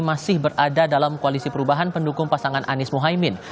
masih berada dalam koalisi perubahan pendukung pasangan anies mohaimin